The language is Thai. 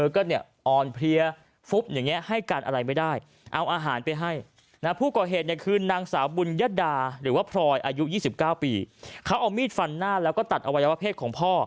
เขาเอามีดฟันหน้าแล้วก็ตัดอวัยวะเพศของพ่อ